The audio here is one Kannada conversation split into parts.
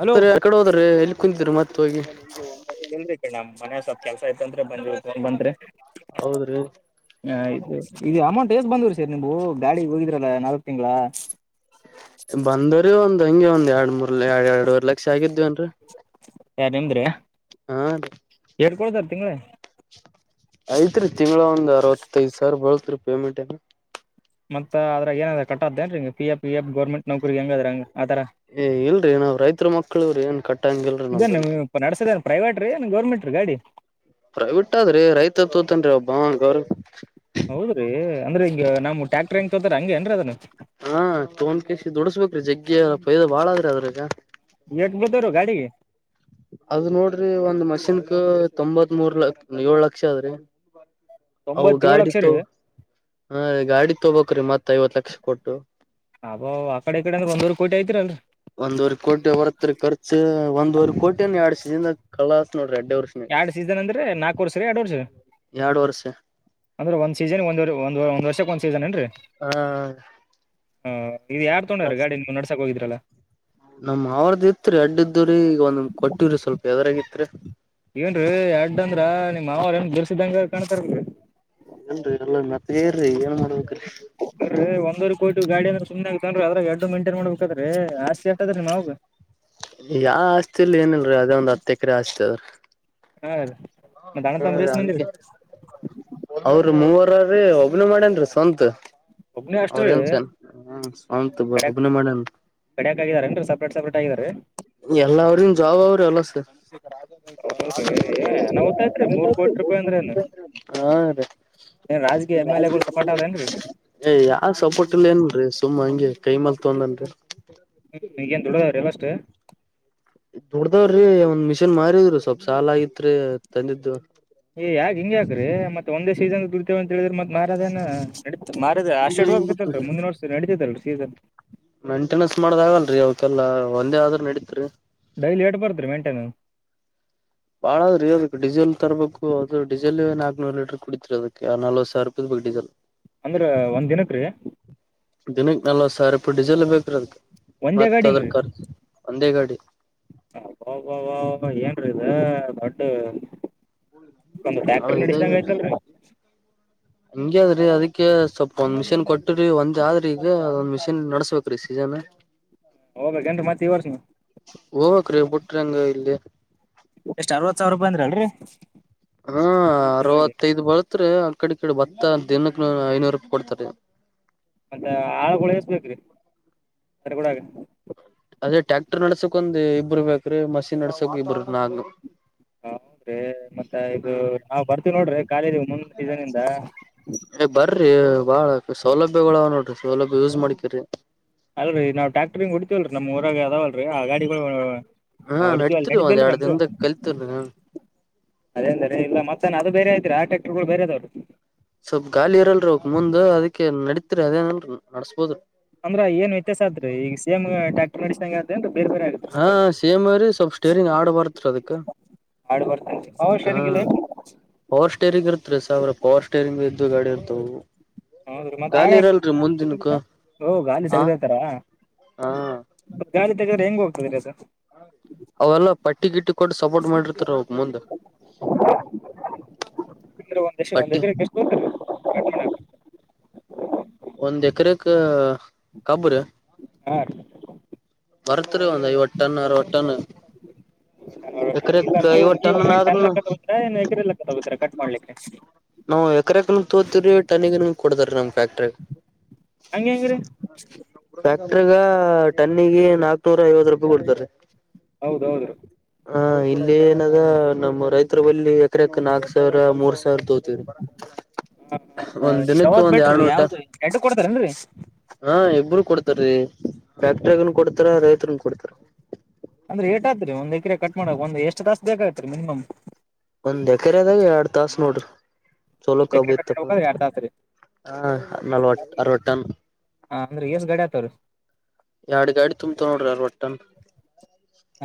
ಹಲೋ ಎಕಡೆ ಹೋದ್ರೆ ಎಲ್ಲಿ ಕುಂತಿದ್ರು ಮತ್ ಹೋಗಿ ಇಲ್ರಿ ಕಣ್ ಮನ್ಯ ಸ್ವಲ್ ಕೆಲ್ಸ ಐತ್ತ್ರಿ ಬಂದಿ ಬಂದತ್ರಿ ಹೌದ್ರಿ ಹ ಆಯ್ತ ಇ ಅಮ ಯೇಸ್ ಬಂದ್ರ ಸರ್ ನೀಮವು ಗಾಡಿ ಹೋಗಿದ್ರಲ್ಲಾ ನಾಲ್ಕಕ್ ತಿಂಗಳ ಬಂದರಿ ಒಂದ್ ಹಂಗೆ ಒಂದ್ ಎರಡ್ ಮೂರ್ ಎರ ಎರಡ್ವರ್ ಲಕ್ಷ ಆಗಿದ್ವಿನ್ರೀ ಯಾರ್ ನಿಮ್ದುರಿ ಹಾ ರೀ ಏಟ್ ಕೂಡ್ತರ ತಿಂಗಳೇ ಐತ್ ರೀ ತಿಂಗಳ ಒಂದ್ ಅರವತ್ತೈದ್ ಸಾವಿರ ಬಿಳತ್ ರೀ ಪೇಮೆಂಟ್ ಏನ ಮತ್ತ ಅದ್ರ ಏನದ ಕತ್ತದೇನ್ ಹಂಗ ಪಿ ಎ ಪ ಎ ಗೌರ್ಮೆಂಟ್ ನೌಕ್ರಗ್ ಹೆಂಗದ್ರ ಹಂಗ ಆತರ ಏ ಇಲ್ರರಿಏ ನಾವ್ ರೈತರ ಮಕ್ಕಳವ್ರರಿ ಏನ್ ಕಟ್ಟಂಗಿಲ್ರಿ ಇದೇನ್ ನಮ್ಮಲ್ಲಿ ನೀ ನಡಸದೇ ಪ್ರೈವೇಟ್ ರೀ ಗೌರ್ಮೆಂಟ್ ರೀ ಗಾಡಿ ಪ್ರೈವೇಟ್ ಆದ್ರಿ ರೈತ ತೋತನ್ರಿ ಒಬ್ಬಾ ಗರ್ ಅಂದ್ರ ಈಗ ನಮ ಟ್ಯಾಕ್ಟರ್ ಹೆಂಗ ತೋಾರ ಹಂಗೆಏನ್ೀ ಅದನು ಹಾ ತೋನ್ಕೇಶಿ ದುಡಸ್ಬಬೇಕಕ್್ರೀ ಜಗ್ಗಿಯ ಪೈದ ಬಾಳದ್ರಿ ಅದ್ರಗ ಎಟ್ ಬೀಳ್ತಾವ್ರಿ ಗಾಡಿಗೆ ಅದ ನೋಡ್ರಿ ಒಂದ್ ಮಷಿನ್ಕ್ ತೊಂಬತ್ ಮೂೂರ್ ಲ ಏಳ್ ಲಕ್ಷ ಆದದ್ರಿ ಅವು ತೊಂಬತ್ತೇಳು ಗಾಡಿ ಲಕ್ಷ ರೀ ತೋ ಹ ಗಾಡಿ ತೊಬಕ್್ರೀ ಮತ್ತತ್ ಐವತ್ ಲಕ್ಷ ಕೊಟ್ಟು ಅಾ ಆ ಕಡೆ ಈಡೆಂದ ಒಂದೂ್ ಕೋಟಿ ಆಯಐತಿರಲ್ರಿ ಒಂದ್ವರೆ ಕೋಟಿ ಹೊ ಬರತ್ತೀ ಖರ್ಚು ಒಂದ್ವರ್ ಕೋಟನ್ ಎಡ್ಸಿದಿಂದ ಕಳಸ್ ನೋಡ್ರಿ ಅ ಎರಡ್ ಸೀಸನ್ ಅಂದ್ರೆ ನಾಕ ವರ್ಷ ರ ಎರಡ್ ವರ್ಷ ರಿ. ಎರಡ್ ವರ್ಷ ಅಂದ್ರೆ ಒಂದ್ ಸೀಸನ್ ಒಂದ್ ಒಂದ ಒಂದ್ ವರ್ಷಕ್ಕೆ ಒಂದ್ ಸೀಸನ್ ಏನ್ ರಿ. ಹಾ. ಹಾ ಇದು ಯಾರ್ ತಗೊಂಡ್ರ ಗಾಡಿ ಕಳಸ್ತ್ರಿ ನೀವು ನಡ್ಸಕಕ್ೋಗಿದ್ರಲ್ಲ. ನಮ್ ಅವ್ರದ್ದ ಇತ್ರಿ ಅಡ್ಡ್ದ್ರೀ ಈಗ ಒಂದ ಕೊಟ್ಟಿವ್ರಿ ಸ್ವಲ್ಪ ಎದರಾಗತ್ರಿ. ಏನ್ರಿ ಎರಡ ಅಂದ್ರ ನಿಮ್ ಮಾವ್ರ ಏನ್ ಬಿರ್ಸಿದಂಗ ಕಾಣ್ತಾರಲ್ರಿ. ಏನ್ರೀ ಎಲ್ಲ ಮತ್ತಗೇರರಿ ಏನ್ ಮಾಡ್ಬೇಕೀ. ನೋಡ್ರಿ [unintelligible] ಯಾವ ಆಸ್ತಿ ಇಲ್ಲಿ ಏನಲ್ರೀ ಅದೇ ಒಂದ್ ಹತ್ತು ಎಕರೆ ಆಸ್ತಿ ಅದ್ರ. ಹಾ ರಿ. ಹ ಅವ್ರ ಮೂವರ್ರೀ. ಒಬ್ನ ಮಾಡೇನ ರಿ ಸ್ವಂತ ಒಬ್ನೇ ಅವ್ರ ಅಷ್ಟ್ರೀ ನ್ಸನ್ ಸ್ವಂತ ಒಬ್ನ ಮಾಡೇನ್ ರಿ. ಕಡಕಾಗಗಿದ್ದಾರೆ ಅನ್ ಸಪ್ರೇಟ್ ಸಪೇಟ್ ಆಗಿದ್ದಾರೆ. ಎಲ್ಲ ಅವ್ರನ್ ಜಾಬ್ ಅವ್ರ ಎಲ್ಲ ಸರ್. [inaudible] ಹೌದ್ರಿ ಅನಾಹುತ ಆಯ್ತ್ರಿ ಮೂರ್ ಕೋಟಿ ರೂಪಾಯಿ ಅಂದ್ರ ಏನ್ ಏನ್ ರಾಜಕೀಯ ಎಮ್ ಎಲ್ ಎಗಳು ಸಪೋರ್ಟ್ ಅದೇನ್ರಿ ಏ ಯಾವ ಸಪೋರ್ಟ್ ಇಲ್ಲಿ ಏನ್ರಿ ಸುಮ್ಮ ಹ. ಕೈಮಲ್ ತೊಂದನ್ರಿ. ಹ್ಮ್ ಈಗಏನ್ ದೊಡ್ಡದಾವ್ರೀಲ್ಲಷ್ಟೆ. ದುಡ್ದಾವ್ರೀ ಒಂದ್ ಮಿಷಿನ್ ಮಾರಿದ್್ರಿ ಸ್ವಲ್ಪ ಸಾಲ ಆಗಿತ ರಿ ತಂದಿದ್ದು. ಏ ಯಾಗ ಹಿಂಗಗೆಾಕ್ರರಿ ಮತ್ತೆ ಒಂದೇ ಸೀಸನ್ ದುರ್ತತಿವ ಅಂತ ಹೇಳಿದ್ರೆ ಮತ್ ಮಹಾರಾಜನ ನಡ ಮಾರ ಹಂಗೆ ಅಷ್ಟೆಡ್ ಆಗಿಬಿಟ್ರಿ ಹೋಗ್ಬೇಕತಲ್ರೀ ಮುಂದಿನ ವರ್ಷ ನಡಿತತಲ್ರಿ ಸೀಸನ್. ಮೇಂಟೆನೆನ್ಸ್ ಮಾಡದ ಆಗಲ್ರರಿ ಅವಕಲ್ಲ ಒಂದೇ ಆದ್ರ ನಡೀತ್ರಿ. ಡೈಲಿ ಎಟ್ ಬರ್ದ್ರೀ ಮೆಂಟೈನನ್. ಬಾಳದ್ರೀ ಅದಕ್ ಡೀಸೆಲ್ ತರಬೇಕು ಅದು ಡೀಸೆಲ್ ನಾಕ್ನೂರ್ ಲೀಟರ್ ಕುಡಿತತ್ರಿ ಅದಕ್ಕೆ ನಲ್ವ ಸಾವಿರ ರುಪಾಯ [inaudible] ಅಂದ್ರ ಒಂದ್ ದಿನಕ್ ರೀ. ದಿನಕ್ಕೆ ನಲ್ವತ್ ಸಾವಿರ ರೂಪಾ ಡಿಸೆಲ್ ಬೇಕಿರದಕ. ಒಂದೇ ಗಾಡಿನ್ರಿ ಗಾಡಿ ಅಬಾಬಾಬಾ ಏನ್ರೀ ಇದ. ಅ ದೊಡ್ಡ ಒಂದು ಬಾಳ ಟ್ಯಾಕ್ಟ್ರ ನಡೆಸಿದಂಗ ಆಯ್ತಲ್ರಿ. ಹಂಗಗೆ ಅದ್ರಿ ಅದಕ್ಕೆ ಸ್ವಲ್ಪ ಒಂದ್ ಮಿಷಿನ್ ಕೊಟ್ರಿ ಒಂದ್ ಆದ್ರಿ ಈಗೊಂದ್ ಮಿಷಿನ್ ನಡಸ್ಬೇಕ್ರೀ ಸೀಜನ್. [unintelligible] [inaudible] ಎಷ್ಟ್ ಅರವತ್ ಸಾವಿರ ರೂಪಾಯಿ ಅಂದ್ರಲ್ರರಿ. ಹ ಅರವತ್ತೈದ್ ಬರತ್ರಿ. ಕಡೆ ತದ ಬತ್ತ ದಿನಕ್ಕ ಐನೂರು ರೂಪಾಯಿ ಕೊಡ್ತಾರೆ. ಮತ್ತೆ ಆಳಗಳ ಎಸ್ಬೇಕ್ರೀ ಅದ್ರ ಕೂಡ ಅದೇ ಟ್ಯಾಕ್ಟರ್ ನಡ್ಸಕೊಂದ್ ಇಬ್ಬ್ರ ಬೇಕ್ರೀ ಮಷಿನ್ ನಡ್ಸಕ್ ಇಬ್ರ ನಾಕ್ ಹ ಹೌದ್ರೀ ಮತ್ತ ಇದು ನಾವ್ ಬರ್ತೀವಿ ನೋಡ್ರಿ ಖಾಲಿದೀವಿ ಮುಂದ್ ಸೀಸನ್ ಇಿಂದ. ಏ ಬರ್ರಿ ಬಾಳ ಸೌಲಭ್ಯಗಳ ನೋಡ್ರಿ ಸೌಲಭ್ಯ ಯೂಸ್ ಮಾಡ್ಕ್ರಿ. ಇಲ್ರಿ ನಮ್ ಊರಾಗ ಅದಾವಲ್ರರಿ ಆ ಗಾಡಿಗಳು. ಹಾ ಹೊಡಿತೀವಲ್ಲ ನಡತರುವ ಅ ನಡಿದ್ದಿಲ್ರಿ ಎರಡು ನಮ್ಗೆ ದಿನದ ಕಲಿತ. ಅದೇ ಅಂದಾರೆ ಇ ಮತ್ತ್ ಅದು ಬೇರೆ ಐ್ದೀರ ಆ ಟ್ಯಾಕ್ಟರ್ಗಳು ಬೇರೆ ಅದವರು. ಸ್ವಲ್ಪ್ ಗಾಲಿ ಇರಲ್ರರಿ ಅವಕ್ ಮುಂದ್ ಅದಕ್ಕೆ ನಡತ್ರಿ ಅದೇನಲ್ರಿ ನಡ್ಸ್ಬೋದಿ. ಅಂದ್ರ ಏನ್ ವ್ಯತ್ಯಾಸ ಆದತ್ರಿ ಈಗ ಸೇಮ ಡ್ಯಾಕ್ಟರ ಡಿಸನ್ ಏನ್ರಿ. ಹಾ ಸೇಮ್ ರಿ ಸ್ವಲ್ಪ್ ಸ್ಟೇರಿಂಗ್ ಆಡ್ ಬರ್ತ್ರಿ ಅದಕ್ಕ. ಆಡ್ ಬರ್ತೇನೆ ಪವರ್ ಹಾ ಸ್ಟೇರಿಂಗ್ ಇಲ್ಲ ಏನ್ರಿ ಪವರ್ ಸ್ಟೇರಿಂಗ ಇರ್ತ್ರಿ ಸಾವಿರ ಪವರ್ ಸ್ಟೇರಿಂಗ್. ಗಾಡಿ ಇರ್ತಾವ ಇವು. [unintelligible] ಮ ಆ ಹಾ ಗಾಳಿ ತೆಗೆರ ಹೆಂಗ ಹೋಗ್ತದೆರೀ ಅದ. ಅವೆಲ್ಲ ಪಟ್ಟಿಗಿಟ್ಟಿ ಕೊಟ್ಟ ಸಪೋರ್ಟ್ ಮಾಡಿರ್ತಾರ ಅವಕ್ ಮುಂದ. ತಂದ್ರೆ ಒಂದ್ ಪಟ್ಟಿ ದ ಒಂದ ಎಷ್ಟು ಗತ ಹ ಒಂದ್ ಎಕರೆಕ್ಕ ಕಬರ್ ಹಾ ಮರತರು ಅಂದ ಐವತ್ತು ಟನ್ನು ಅರವತ್ತು ಟನ್ನು ಹೌ ಇಲ್ಲ ನೀವು ನೀವು ಎ ಆದ್ರೂನು ಟನ್ಕ್ಕಗೋತರಾ ಏ ಎಗ್ರಲ್ಲ ಕೋಗತರಾ ಕಟ್ ಮಾಡ್ಲಿಕ್ಕೆ ನಾವವು ಎಕರೆ ಎಕ ತೋತವ್ರೀ ಟನಿಗ ಕೊಡತಾರ ನಮ್ ಫ್ಯಾಕ್ಟ್ರಿ ಹಂಗಗೆ ಹೆಂಗ್ರೀ ಟ್ರಗ ಟನ್ನಿಗೆ ನಾಕ್ನೂರ ಐವತ್ತು ರೂಪಾಯಿ ಕೊಡ್ತಾರೆ ಹೌದೌದು ಹ ಇಲ್ಲಿ ಏನದ ನಮ್ಮ್ ರೈತರ ಬಳಿ ಎಕರೆಕ್ ನಾಕ್ ಸಾವಿರ ಮೂರ್ ಸಾವಿರ ದ ತ ರ [unintelligible] ಒಂದ್ ದಿನಕ್ಕೆ ಯಾವ್ದ್ ಒಂದ್ ಬೆಟ್ರಿ ಎರ್ನೂಟ ಯಾವ್ದ್ ಎಡ್ಡು ಕೊಡ್ತಾರೇನ್ರಿ ಹಾ ಒಬ್ರು ಕೊಡ್ತಾರೀ ಫ್ಯಾಕ್ಟ್ರಗನ್ ಕೊಡ್ತಾರ ರೈತನ್ ಕೊಡ್ತಾರ ಅಂದ್ರೆ ಏಟ ಆತ್ರಿ ಒಂದ್ ಎಕರೆೆ ಕಟ್ ಮಾಡಕ್ ಒಂದ ಎಷ್ಟು ತಾಸ ಬೇಕ್ತ್ರಿ ಮಿನಿಮಮ್ ಒಂದ್ ಎಕರೆದಾಗ ಎರಡ್ ತಾಸ ನೋಡ್ರಿ ಚಲೋ ಒಂದ್ ಎಕರೆ ಕಬೂರ್ ಕಟ್ ತಕ ಮಾಡ್ಬೇಕಾದ್ರೆ ಎರಡ್ ತಾಸ್ರಿ ಹಾ ನಲವತ್ತು ಅರವತ ಟನ ಅಂದ್ರೆ ಎಷ್ಟ್ ಗಾಡಿ ಆತಾವ್ರಿ ಎರಡು ಗಾಡಿ ತುಂಬತಾವ ನೋಡ್ರಿ ಅರ್ ಒಟ್ಟನ್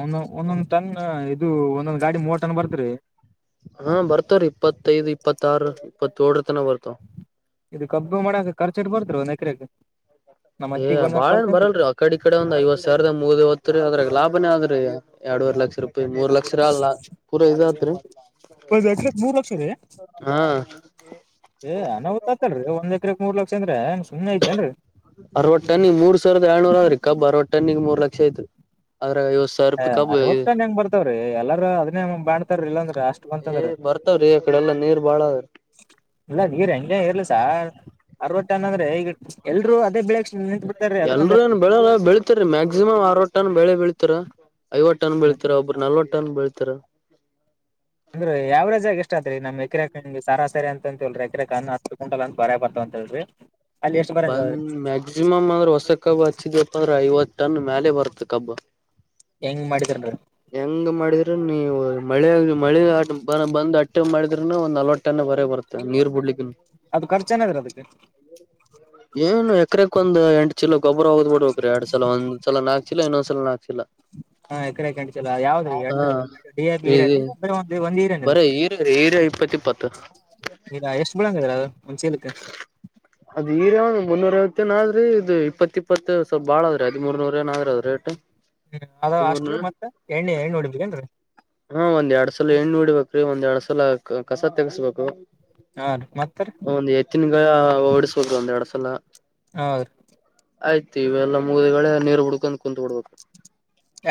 ಒಂದೊ ಒಂದೊಂದ್ ಟಂಗ ಇದು ಒಂದೊಂದು ಹಾ ಬರ್ತಾರೀ ಇಪ್ಪತ್ತೈದು ಇಪ್ಪತ್ತಾರು ಇಪ್ಪತ್ತ ೇಳ ಇದು ಕಬ್ಬು ಮಾಡಕ ಖರ್ಚುಟ್ಟ ಬರ್ತರು ನ ಎಕರೆಗೆ ಏ ಬಾಳ ಏನ್ ಬರಲ್ರಿ ಆಕಡೆ ಈ ಕಡೆ ಒಂದ್ ಐವ ಸಾವಿರದ ಮೂದ ತ್ರಿ ಅದ್ರಾಗ ಲಾಭನೇ ಅದ್ರರಿ ಎರಡು ರ್ ಲಕ್ಷ ರೂಪಾಯಿ ಮೂರ್ ಲಕ್ಷ ರ ಅಲ್ಲ ಪೂರಾ ಇದತ್ರಿ ಒಂದ್ ಎಕರೆಕ್ ಮೂರ್ ಹಾ ಏ್ನ ತ್ ಆತಲ್ರರಿ ಒಂದ್ ಎಕ್ರಕ್ ಮೂರ್ ಲಕ್ಷ ಅಂದ್ರೆಂಗ ಸುಮನೆ ಐತೆೇನ್ರಿ ಅರವತ್ ಟನ್ನಿಗೆ ಮೂರ್ ಆಯ್ತು ಹ ಅರವತ್ ತನ ಹೆಂಗ್ ಬರ್ತವ್ರಿ ಎಲ್ಲಾರ ಅದನೇ ಬಾಣ್ತಾರ ಇಲ್ಲಾಂದ್ರಿ ಅಷ್ಟ್ ಬಂತಂದ್ರಿ ರೀ ಆ ಕಡೆ ಎಲ್ಲ ನೀರ್ ಬಾಳ ಅ್ರ ಇಲ್ಲ ಈ ರಂ ಇರ್ಲಸ ಅರವಟ ಅನಂದ್ರೆ ಈಗ ಎಲ್ರೂ ಅದೇ ಬೆಳಕ್ ಎಲ್ರ ಏನ್ ಬೆಳೆ ಬೆಳತಾರೀ ಮ್ಯಾಕ್ಸಿಮಮ್ ಆರ್ ವಟ್ಟನ್ ಬೆಳೆ ಬೆಳತಾರ ಐವತ್ತು ಟನ್ ಬೆಳ್ತರ ಒಬ್ಬರು ನಲ್ವತ್ತು ಟನ್ ಬೆಳ್ತಾರ ಅಂದ್ರೆ ಯಾವರೇಜ್ಗ ಎಷ್ಟ ಅತ್ೀ ನಮ್ ಎಕರೆ ಸ ಸರಿ ಅಂತ ಹೇಳ್ರಿ ಎಕರೆಕ ಅ ಹತ್ತು ಗಂಲ್ ಅಂತ ಬರ ಬರ್ತ ಅಂತರಿ [unintelligible] ಬಂದ್ ಮ್ಯಾಕ್ಸಿಮಮ್ ಅಂದ್ರೆ ಹೊಸ ಕಬ್ ಹಚ್ಚಿದಪ್ಪ ಅಂದ್ರೆ ಐವತ್ತು ಟನ್ ಮೇಲೆ ಬರುತ್ತ ಕಬ್ಬ ಹೆಂಗ ಮಾಡಿದಾರನ್ರಿ ಹೆಂಗ್ ಮಾಡಿದ್ರ ನೀವು ಮಳೆ ಮಳೆ ಬಂದ್ ಅಟ್ಟೆ ಮಾಡಿದ್ರರುನು ಒ್ ನಲ್ವಟ್ಟನೇ ಬರ ಬರುತ್ತೆ ನೀರ್ ಬಿಡ್ಲಿಕ್ಕ ಅದು ಖರ್ಚು ಏನಾದ್ರ ಅದಕ್ಕೆ ಏನು ಹೇಳ ಅಕ್ರೆ ಒಂದ ಎಂಟ ಚಲ ಗೊಬ್ರ ಹೋಗ್ ಬಿಡ್ಬೇಕಕ್ರೆ ಎರಡ್ ಸಲ ಒಂದ್ಲ ನಾಕ ಚಲ ಇನ್ನೊಂದ ಸಲ ನಾಲ್ಕ್ ಚಿ ಹಾ ಎಕರೆಕಂಟ ಚಲ ಯಾವ್ದ್ರೀ ಎ ಡಿ ಎ ಬಿ ಈರನ್ ಇ ಒ ಒಂದು ಹರನ್ ಅದು ಇಪ್ಪಾತ್ ಏಪತ್ ಇಲ್ಲಾ ಎಷ್ಟು ಬಳಂಗದರಾ ಅದು ಒಂದ್ ಚೀಲಕ್ಕ ಅದ ಈರಾವ ಮುನ್ನೂರವತ್ತು ಇನಾದ್ರೀ ಇದು ಇಪ್ಪತ್ತ ಇಪ್ಪತ್ತು ಸ್ವಲ್ಪಾಳದ್ರೀ ಹದಿಮೂರ್ನೂರ ಏನಾದ್ ಅದ್ ರೇಟ್ ಹ್ಮ ಅದ ಹದಿಮೂರ್ನ ಅಷ್ಟ್ರ ಮತ್ತತ್ ಎಣ್ಣೆ ಎಣ್ಣ ನೋಡ್ಬೇಕೇಏನ್ರರಿ ಹಾ ಒಂದ್ ಎರಡ್ ಸಲ ಎಣ್ಣು ಉಡಿಡ್ಬೇಕ್ರೀ ಒಂದ್ ಎರಡ್ ಸಲ ಕಸ ತಗಸ್ಬೇಕು ಹಾ ರೀ ಮತ್ತ ರೀ ಒಂದ್ ಎತ್ತಿನಗ ಓಡಿಸಬೋದು ಒಂದ್ ಎರಡ್ ಸಲ ಆ ಆಯ್ತು ಇವೆಲ್ಲ ಮುಗಿದಗಳೇ ನೀರು ಹುಡ್ಕೊಂಡ್ ಕುತ್ ಬಿಡ್ಬೇಕು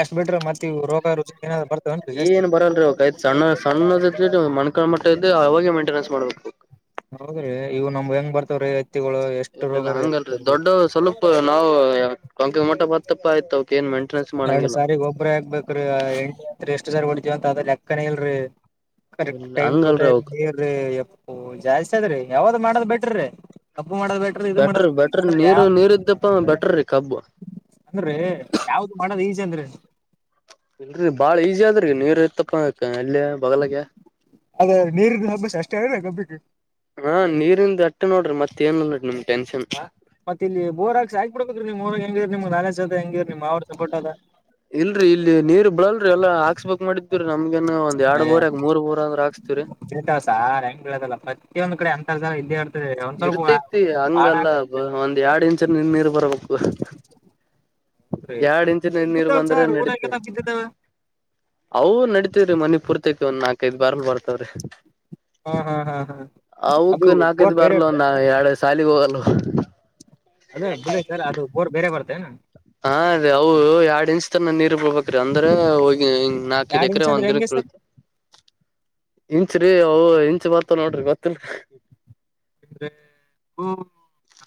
ಎಷ್ಟು ಬಿಟ್ರೆ ಮತ್ತ ರೋಗ ರುಚಿಏನ ಬರ್ತ ಏನ್ ಬರಲ್ರಿ ಒಾಯ್ತ್ ಸಣ್ಣ ಸಣ್ಣದತ್ ಮಣಕಳ ಮಟ್ಟದ್ದೆ ಅವಾಗೆ ಮೈಂಟೆನೆನ್ಸ್ ಮಾಡ್ಬೇಕು ಹೌದ್ರಿ ಇವು್ ನಮ್ ಹೆಂಗ್ ಬರ್ತವ್ರೀ ಇರ್ಲ್ಲ ಇಿಲ್ಲ ಹಂಗಲ್ರರಿ ದೊಡ್ಡ ಸ್ವಲ್ಪ ನಾವು ಕೊಂಕ ಮಟ ಬತ್ತಪ್ಪ ಆಯ್ತ ಅವಕ್ ಏನ್ ಮಂ ಎರಡ್ ಸಾರಿಗ್ ಒಬ್ಬ್ರ ಹಾಗ್ಬೇಕ್ರೀ ಎಂಡಿತ್ರಿ ಎಷ್ಟ್ ಸಾರಿ ಹೊಳಿತವಂತ ಅದ್ರ ಎಕ್ಕನ ಇಲ್ರಿ ಕರೆಕ್ ಟೈಮ್ ಟು ಹಂಗಲ್ರಿ ಟೈಮ್ ಅವಕ್ ನೀ ಓ ಜಾಸ್ತಿ ಅದ್ರೀ ಯಾವ್ದ್ ಮಾಡದ್ ಬಿಟ್ರೀ ಕಬ್ಬು ಮಾಡದ್ ಬಿಟ್ರ ಇದು ಬೆಟ್ರ ಮಾಡದ್ ಬೆಟ್ರ ಬಿಟ್ರ ಅ್ರೆ ನೀರ್ ಯಾವ ನೀರ್ ಇದ್ದಪ್ಪ ಬೆಟ್ರೀ ಕಬ್ಬು ಅಂದ್ರೆ ಯಾವ್ದು ಮಾಡೋದ ಈಜೆ ಅಂದ್ರೆ ಇಲ್ರರಿ ಬಾಳ ಈಜಿ ಆದ್ರ ನೀವರ್ ಇತ್ತಪ್ಪ ಇ ಬಲ ಅದ ನೀರಿನ ಹಬ್ಬಸ ಅಷ್ಟೇ ಅಲ್ರಿ ಕಬ್ಬಿಗೆ ಹ ನೀರಿಂದ ಮತ್ತ ನೋಡ್ರಿ ಮತ್ತ ಏನ್ ನೋಡಡಿರಿಮ ಟೆನ್ ಮತ್ತೆ ಇಲ್ಲಿ ಬೋರ್ಾಕ್ಸ ಆಾಕ್ಬಡ್ಬೇಕೀ ನೀವ್ ಹೆಂಗಿರ್ ನಿಮ್ ನಾಲೆಸ ಅದ ಹೆಂಗಿರ್ ನಿಮ್ ಅವ್ರರು ಸಂಪೋಟದ ಇಲ್ರರಿ ಇಲ್ಲಿ ನೀರು ಬಿಳಲ್ರಿ ಎಲ್ಲ ಹಾಕ್ಸ್ಬಕ್ ಮಾಡಿದರಿ ಮಗೇನ ಒಂದ್ ಎರಡು ಬರ್ ಯಾಕ ಮೂರ್ ಬೋ ಅಂದ್ರೆ ಹಾಸ್ತತಿವರಿ ೇಳ್ತ ಸಾರೆ ಹೆಂಗ ಬೆದಲ್ಲ ಪ್ರತೊಂದು ಕಡೆ ಅಂತರ್ ಜ ಇ ಇರ್ತೈತಿ ಹಂಗಲ್ಲ ಆಗ್ತದೆ ಒಂದ್ ಎರಡ್ ಇಂಚ್ ನೀ ನೀರು ಬರ್ಬೇಕು ಎರಡ್ ಇಂಚಿನ ನೀರು ಬಿದ್ದಾವ ಬಂದ್ರೆ ಸರ್ ನಡೀತ ಊರಾಗೆಲ್ಲ ಬಿದ್ದಿದ್ದಾವ ಅವು ನಡತವ್ರೀ ಮನಿ ಪೂರ್ತೈತಿ ಒಂದ್ ನಾಕೈ್ ಬಾರ್ನ್ ಬರ್ತವ್ರಿ ಹಾ ಹಾ ಹಾ ಹಾ ಅದು ಅವಕ್ ನಾಲ್ಕದ ಬೋರ್ ಬೇರೆ ಬರ್ಲ ಇರುತ್ತೆ ನಾ ಎಡು ಸಾಲಿಿಗೆ ಹೋಗಲ್ವ ಹ್ಮ ಅದೇ ಬುದ ಸರ್ ಅದು ಬೋರ್ ಬೇರೆ ಬರ್ತನಾ ಹಾ ಅದೇ ಅವು ಎರಡ್ ಇಂಚ್ ತನ ನೀರು ಬಬೇಕ್ರೀ ಅಂದ್ರ ಹೋಗಿ ನಾಕದು ಎರಡ್ ಎಕ್ರ ಇಂಚ್ ಒಂದ್ ಅಂದ್ರೆ ದಿನ ಹೆಂಗೆ ಸರ್ ತಿಳತ ಇಂಚ್ರೀ ಅ ಇಂಚ್ ಬತ್ತ ನೋಡ್ರಿ ಗತ್ತಿಲ್ಲ ಅಂದ್ರೆ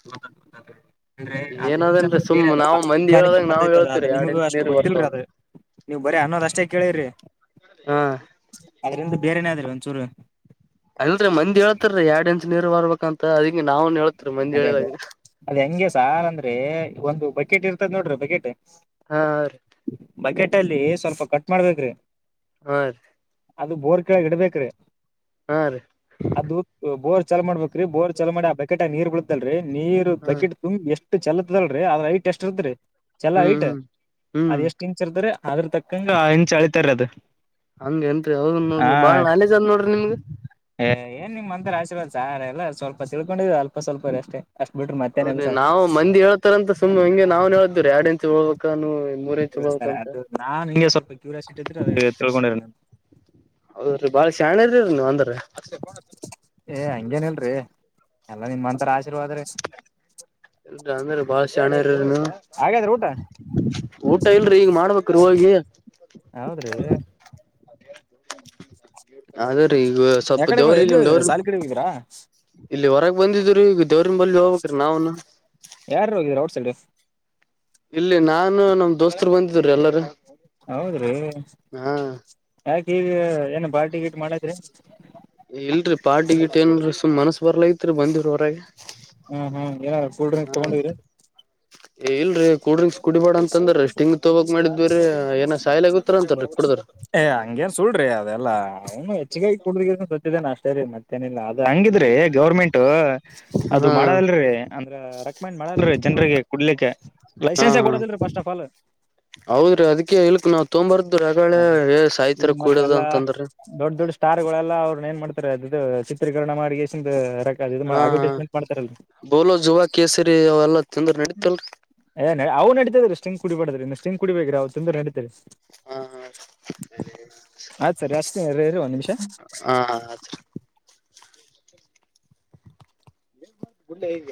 ಹ್ಮವವ್ರೆ ಅ ಅ ಜ ಏನದೇನ್ರೀ ಸುಮ್ ಬೇರೆ ನಾವ್ ಮಂದಿ ಹೇಳ್ದಂಗ ನಾವ್ ವಿಜ್ಞಾನಕ್ಕೆಂಬೈತದ ಅದು ಹೇಳ್ತಿವ್ರಿ ಎರಡ್ ನಿಮ್ಗೂ ಇಂಚ್ ಅಷ್ಟು ನೀರ್ ಬರ್ತಾವ ಗೊತ್ತಿಲ್ರರಿ ಅಂತ ಅದು ನೀವು ಬರೀ ಅನ್ನೋದ್ ಅಷ್ಟೇ ಕೇಳಿರ್ರಿ ಹಾ ಅ್ರಿಂದ ಬೇರೆೇನಾದ್ರಿ ಒಂಚೂರು ಅಂತ ಅದ ನಾವು ಅದೇ ಅದೇ ಅದ ಹೆಂಗೆ ಸಾಲ ಅಂದ್ರೆ ಒಂದು ಬಕೆಟ್ ಇರ್ತದ ನೋಡ್ರಿ ಬಕೆಟ್ ಹಾ ಹ್ರೀ ಬಕೆಟ್ ಅಲ್ಲಿ ಸ್ವಲ್ಪ ಕಟ್ ಮಾಡ್ಬೇಕ್ರಿ ಹ ರೀ ಅದು ಬೋರ್ ಕೆಳಗೆ ಇಡ್ಬೇಕ್ರೀ ಹಾ ರೀ ಅದು ಬೋರ್ ಚಲ ಮಾಡಬೇಕ್ರೀ ಬೋರ್ ಚಲೋ ಮಾಡಿ ಆ ಬಕೆಟ್ ನೀರ್ ಬೀಳುದಲ್ರೀ ನೀರ್ ಹಾ ಬಕೆಟ್ ತುಂಬಿ ಎಷ್ಟು ಇ ಚೆಲತ್ದಲ್ೀ ಅದ್ರ ಐಟ್ ಎಷ್ಟ್ ಇರ್ತ್್ರಿ ಚಲ್ಲ ಹ್ಮ್ ಐಟ್ ಹ್ಮ್ ಅದ ಹ್ಮ್ ಎಷ್ಟ್ ಇಂಚ್ ಇರ್ದ್ರರಿ ಅದ್ರ ತಕ್ಕಂಗ ಇಂ ಚಳಿತಾರ ಅದು ಹಂಗ ಏನ್ರಿ ಅವ ಹಾ ನೋಡ್ರಿ ಬಾಳ ನಾಲೇಜ್ ಅದ್ ನೋಡ್ರಿ ನಿಮ್ಗ ಏ ನಿಮ್ಮ ಮಂತ್ರರ ಆಶೀರ್ವಾದ ಸಾರ ಎಲ್ಲ ಸ್ವಲ್ಪ ತಿಳ್ಕೊಂಡಿದ ಅಲ್ಪ ಸ್ವಲ್ಪ ಅಷ್ಟೇ ಅಷ್ಟ್ ಬಿಟ್ರಿ ಮತ್ತೇನಿಲ್ಲ ಅದ ಸರ್ ನಾವು ಮಂದಿ ಹೇಳ್ತಾರಂತ ಸುಮ್ಮ್ ಹಂಗೆ ನಾವ್ನ್ ಹೇಳ್ದವ್ರೀ ಎಡ್ಂಚ ಹೋಗಳ್ಬೇಕ ಹ ಸರಿ ಅದು ನಾನ್ ಹಿಂಗೆ ಸ್ವಲ್ಪ ಕ್ಯೂರಿಯಾಸಿಟಿ ಇದ್ರೆ ಅದ ತಿಳ್ಕೊಂಡಿರ ನ ಹೌದ್ರೀ ಬಾಳ ಶಾಣರರಿರಿ ನೀವು ಒಂದ್ರ ಏ ಹಂಗೇನ್ಲ್ರಿ ಎಲ್ಲ ನಿಮ್ಮಂತರ ಆಶೀರ್ವಾದ್ರೆ ಇಲ್ ಅಂದ್ರೆ ಬಾಳ ಚ ಇ ಹಾಗಾದ್ರೆ ಊಟ ಊಟ ಇಲ್ರರಿ ಈಗ ಮಾಡ್ಬೇಕ್ರೀ ಹೋಗಿ ಹೌದ್ರಿ ಆದ್ರ ಈಗ ಸ್ವಲ್ಪ ಯಾಕಡೆ ದೇವ್ರ ಎಲ್ಲಿ ಹೋಗಿದ್ರಿ ಸಾಲಿ ಕಡೆ ಹೋಗಿದ್ರಾ ಇಲ್ಲಿ ಹೊರಗೆ ಬಂದಿದ ದೇರುನ್ [unintelligible] ನಾವುನು. ಯಾರ್ ಹೋಗಿದ್ರಿ ಔಟ್ ಸೈಡ್ ಇಲ್ಲಿ ನಾನು ನಮ್ ದೋಸ್ತರು ಬಂದಿದ್ರಿ ಎಲ್ಲಾರ ಹೌದ್ರಿ ಹಾ ಯಾಕ ಈ ಏನು ಬಾಲ್ಟಿ ಗಿಟ್ ಮಾಡತ್ ರಿ. ಇಲ್ರಿ ಪಾರ್ಟಿ ಗಿಟ್ ಏನ್ಲ್ರೀ ಸು್ನಸ್ ಬರ್ಲೈತ್ರಿ ಬಂದಿಡ ಹೊರಗೆ. ಹ್ಮ್ ಹ್ಮ್ ಏನಾರ ಕೂಲ್ ಹ ಡ್ರಿಂಕ್ ತಗೊಂಡಿದ. ಇಲ್ರಿ. ಕಲ್ ಡ್ರಿಕ್ಸ್ ಕುಡಿಬೇಡ ಅಂತಂದ್ರ ಅಷ್ಟು ಹಿಂಗ ತಗೋಕ್ ಮಾಡಿದ್ವಿರ ಏನ ಸಾಯ್ ಆಗತ್ತತಾರ ಅಂತರೀ ಕುಡ್ರ. ಏ ಹಂಗೇನ್ ಸುಲ್ ಅದೆಲ್ಲ ಅವನು ಹೆಚ್ಚಿಗೆೈ ಕುಡ್ದಿದ ಸತಿದ್ದೇನೆ ಅಷ್ಟೇ ರೀ ಮತ್ತೆ. ನಿಲ್ಲ ಅದ ಹಂಗಿದ್ರಿ ಗೌರ್ಮೆಂಟ್ ಅದು ಹಾ ಮಾಡದಲ್ರಿ ಅಂದ್ರ ರೆಕಮೆಂಡ್ ಮಾಡಲ್ರಿ. ಜನರಿಗೆ ಕುಡ್ಲಿಕ್ಕೆ ಹಾ ಲೈಸೆನ್ಸ್ ಹಾ ಕೊಡದಲ್ರೀ ಫಸ್ಟ್ ಆಫ್ ಆಲ್. ಹೌದ್ರಿ ಅದಕ್ಕೆ ಹೇಳಳ್ಕ್ ನಾ. ಹ ಈಗ ಮತ್ತೆ ಕುಡ್ಯದ ಎಲ್ಲಾ ಅಂತಂದ್ರ ದೊಡ್ ದೊಡ್ಡ ಸ್ಟಾರ್ಗಳೆಲ್ಲಾ ಅವ್ರನ್ನ ಏನ್ ಮಾಡ್ತಾರೆ. ಚಿತ್ರೀಕರಣ ಮಾಡ. [inaudible] ಹಾ ಬೋಲೋ ಜುವ ಕೇಸರಿ ಅವೆಲ್ಲಾ ತೊಂದ್ರ ನಡತಲ್ರಿ. ಏ ನ ಅವು ನಡಿತತದ್ರೀ ಸ್ಟಂಗ್ ಕುಡಿಬಡದ್ರ ಇನ್ನು ಸ್ಟಂಗ್ ಕುಡಿ ಬಬೇಕ್ರೀ ಅವವು ತುಂಬ್ರ ನಡೀತರಿ. ಹಾ ಆಯ್ತು ಸರಿ ಅಷ್ಟೇ ರೀ ಒಂದ್ ನಿಮಿಷ ಹಾ. ಹಾ. [inaudible] ಹೇಗೆ.